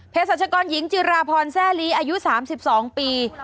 สัชกรหญิงจิราพรแซ่ลีอายุ๓๒ปี